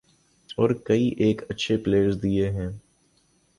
اور کئی ایک اچھے پلئیرز دیے ہیں۔